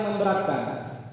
hal yang memberatkan